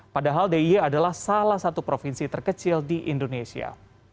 padahal d i e adalah salah satu provinsi terkecil di indonesia